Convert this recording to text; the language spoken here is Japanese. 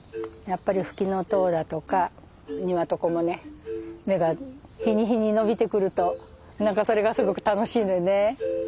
やっぱりフキノトウだとかニワトコもね芽が日に日に伸びてくると何かそれがすごく楽しいのよね。